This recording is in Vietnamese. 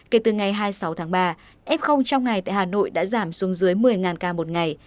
kể từ ngày hai mươi sáu tháng ba f trong ngày tại hà nội đã giảm xuống dưới một mươi ca một ngày